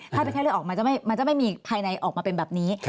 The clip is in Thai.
ถ้าเป็นไข้เลือดออกมันจะไม่มีภายในออกมาเป็นแบบนี้